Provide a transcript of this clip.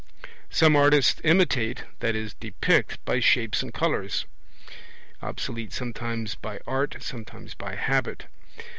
Some artists imitate (i.e. depict) by shapes and colours. (Obs. sometimes by art, sometimes by habit.)